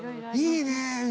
いいね。